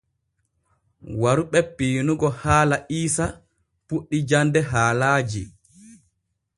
Waru ɓe piinugo haala Iisa puɗɗi jande haalaaji.